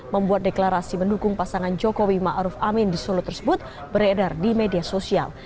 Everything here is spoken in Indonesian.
membuat deklarasi mendukung pasangan jokowi ma'ruf amin di solo tersebut beredar di media sosial